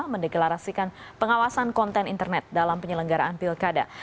mendeklarasikan pengawasan konten internet dalam penyelenggaraan pilkada